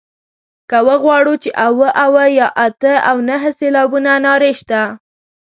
که وغواړو چې اووه اووه یا اته او نهه سېلابه نارې شته.